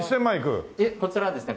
いえこちらはですね